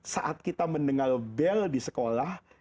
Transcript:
saat kita mendengar bel di sekolah